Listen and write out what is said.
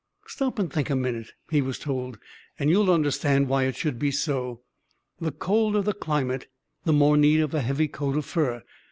"Stop and think a minute," he was told, "and you'll understand why it should be so. The colder the climate the more need of a heavy coat of fur.